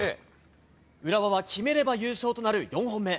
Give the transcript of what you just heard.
浦和は決めれば優勝となる４本目。